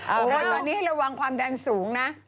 โอ้โหตอนนี้ระวังความดันสูงนะ